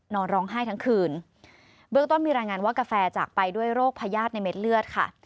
นอนร้องไห้ทั้งคืนเบื้องต้นมีรายงานว่ากาแฟจากไปด้วยโรคพญาติในเม็ดเลือดค่ะ